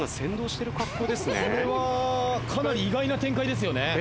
これはかなり意外な展開ですよね。